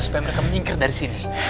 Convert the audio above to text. supaya mereka menyingkir dari sini